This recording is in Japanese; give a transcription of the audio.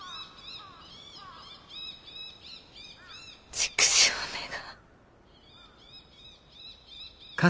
畜生めが。